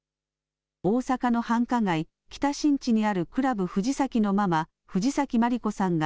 大阪の繁華街、北新地にあるクラブ藤崎のママ、藤崎まり子さんが、